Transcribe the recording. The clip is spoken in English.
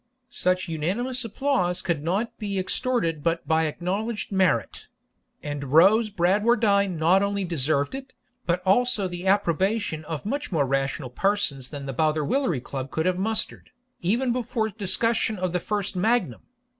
Such unanimous applause could not be extorted but by acknowledged merit; and Rose Bradwardine not only deserved it, but also the approbation of much more rational persons than the Bautherwhillery Club could have mustered, even before discussion of the first magnum.